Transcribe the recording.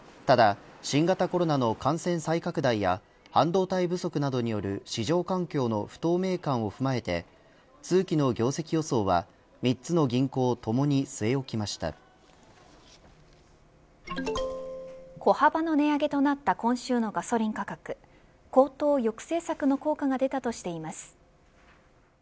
ただ、新型コロナの感染再拡大や半導体不足などによる市場環境の不透明感を踏まえて通期の業績予想は３つの銀行ともに小幅な値上げとなった今週のガソリン価格高騰抑制策の効果が出たとしています。